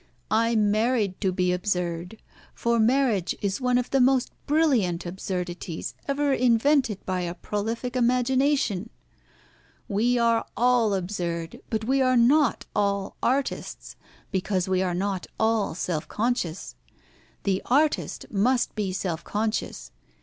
I married to be absurd; for marriage is one of the most brilliant absurdities ever invented by a prolific imagination. We are all absurd; but we are not all artists, because we are not all self conscious. The artist must be self conscious.